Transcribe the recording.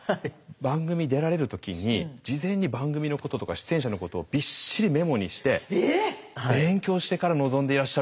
番組出られる時に事前に番組のこととか出演者のことをびっしりメモにして勉強してから臨んでいらっしゃると。